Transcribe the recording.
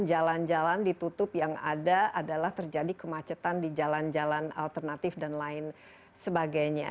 jalan jalan ditutup yang ada adalah terjadi kemacetan di jalan jalan alternatif dan lain sebagainya